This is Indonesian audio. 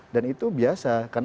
dan itu biasa karena